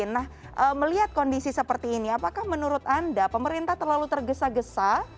nah melihat kondisi seperti ini apakah menurut anda pemerintah terlalu tergesa gesa